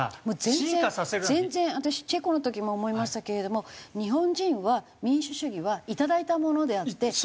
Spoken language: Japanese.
もう全然全然私チェコの時も思いましたけれども日本人は民主主義はいただいたものであって。